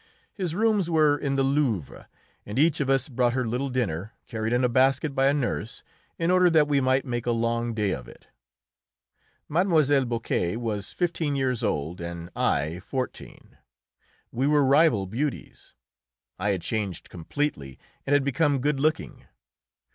His rooms were in the Louvre, and each of us brought her little dinner, carried in a basket by a nurse, in order that we might make a long day of it. Mlle. Boquet was fifteen years old and I fourteen. We were rival beauties. I had changed completely and had become good looking.